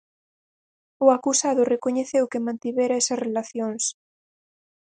O acusado recoñeceu que mantivera esas relacións.